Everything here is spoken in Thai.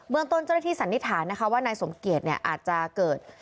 เมืองต้นเจ้าหน้าที่สันนิษฐานนะคะว่านายสมเกียจเนี่ยอาจจะเกิด